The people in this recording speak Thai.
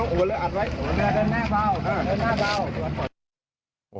หัวเรือเดินหน้าเบาเดินหน้าเบา